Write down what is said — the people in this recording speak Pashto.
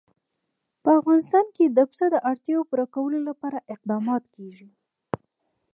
په افغانستان کې د پسه د اړتیاوو پوره کولو لپاره اقدامات کېږي.